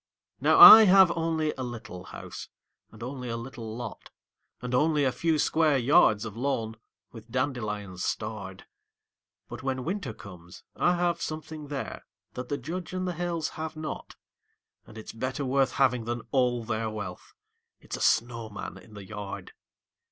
Now I have only a little house, and only a little lot, And only a few square yards of lawn, with dandelions starred; But when Winter comes, I have something there that the Judge and the Hales have not, And it's better worth having than all their wealth it's a snowman in the yard.